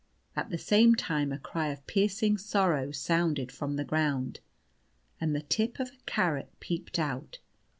At the same time a cry of piercing sorrow sounded from the ground, and the tip of a carrot peeped out.